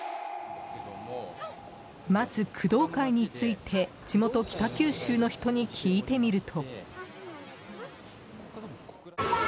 まず工藤会について、地元北九州の人に聞いてみると。